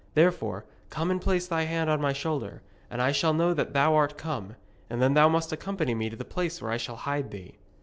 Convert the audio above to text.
Therefore, come and place thy hand on my shoulder, and I shall know that thou art come. And then thou must accompany me to the place where I shall hide thee.'